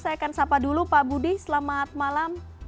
saya akan sapa dulu pak budi selamat malam